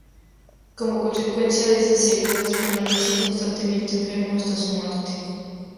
Como consecuencia de esas heridas, permaneció constantemente enfermo hasta su muerte.